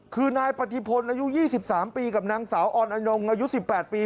คือนายปฏิพลอายุ๒๓ปีกับนางสาวออนอนงอายุ๑๘ปี